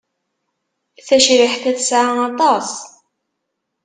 Tacriḥt-a teɛṣa aṭas.